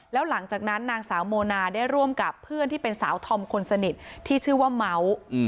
แล้วหลังจากนั้นนางสาวโมนาได้ร่วมกับเพื่อนที่เป็นสาวธอมคนสนิทที่ชื่อว่าเม้า